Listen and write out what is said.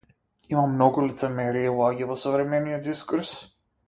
Има многу лицемерие и лаги во современиот дискурс.